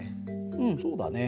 うんそうだね。